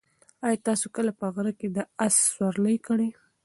ایا تاسي کله په غره کې د اس سورلۍ کړې؟